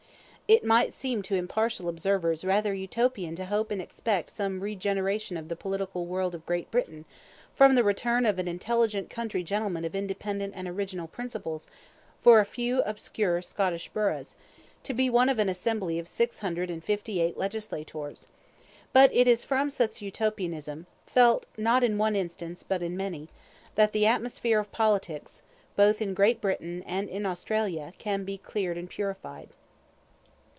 It might seem to impartial observers rather Utopian to hope and expect some regeneration of the political world of Great Britain from the return of an intelligent country gentleman of independent and original principles, for a few obscure Scottish burghs, to be one of an assembly of six hundred and fifty eight legislators, but it is from such Utopianism, felt, not in one instance, but in many, that the atmosphere of politics, both in Great Britain and in Australia, can be cleared and purified.